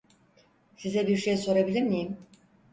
Size bir şey sorabilir miyim?